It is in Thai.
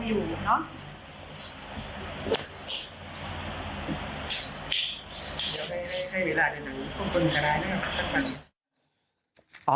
เดี๋ยวแม่ให้เวลาเดินหนึ่งต้องต้นกระดายหน่อยครับ